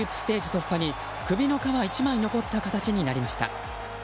突破に首の皮一枚残った形になりました。